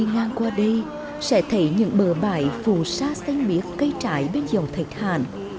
ai đi ngang qua đây sẽ thấy những bờ bãi phù sa xanh miếc cây trái bên dòng thạch hàn